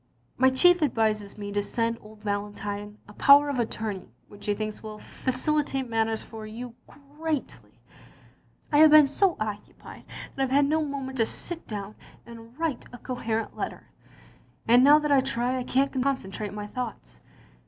My chief advises me to send old Valentine a power of attorney which he thinks will facilitate matters for you greatly. .. I have been so occupied that I 've had no moment to sit down and write a coherent letter, and now that I try I can't concentrate my thoughts.